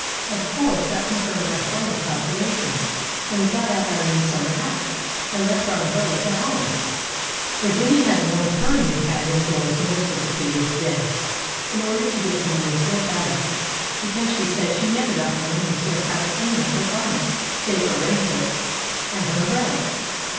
Of course that confirmed our former calculations, and we got out our new summer hats, and left our umbrellas at home. Virginia had worn her new hat indoors most of the previous day, in order to get her money's worth out of it, because she said she never got her money's worth out of any of her garments, save her raincoat and her umbrella.